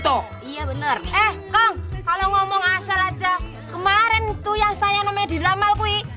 tuh iya bener eh kalau ngomong asal aja kemarin itu ya sayangnya di ramal kui